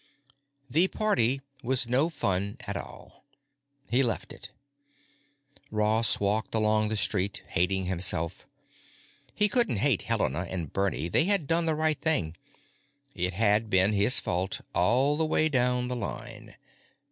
The party was no fun at all. He left it. Ross walked along the street, hating himself. He couldn't hate Helena and Bernie; they had done the right thing. It had been his fault, all the way down the line.